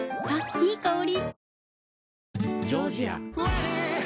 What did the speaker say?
いい香り。